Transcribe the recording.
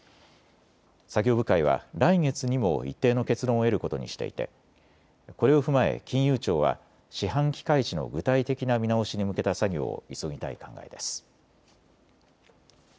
作業部会は来月にも一定の結論を得ることにしていてこれを踏まえ金融庁は四半期開示の具体的な見直しに向けた作業を急ぎたい考えです。